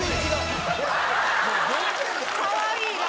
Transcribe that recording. かわいい！